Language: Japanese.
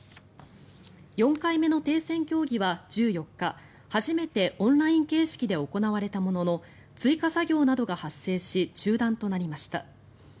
４回目の停戦協議は、１４日初めてオンライン形式で行われたものの追加作業などが発生し中断となりました。